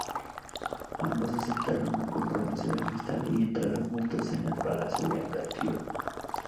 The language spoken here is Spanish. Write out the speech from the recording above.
Ambos aceptaron un compromiso de amistad y entraron juntos en el palacio de Angantyr.